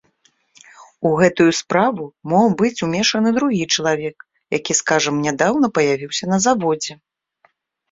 У гэтую справу мог быць умешаны другі чалавек, які, скажам, нядаўна паявіўся на заводзе.